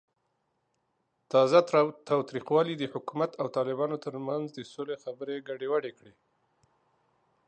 تازه تاوتریخوالی د حکومت او طالبانو ترمنځ د سولې خبرې ګډوډې کړې.